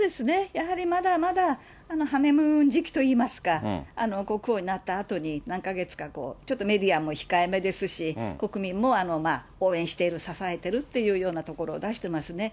やはりまだまだハネムーン時期といいますか、国王になったあとに何か月かちょっと、メディアも控えめですし、国民も応援している、支えてるっていうようなところ出してますね。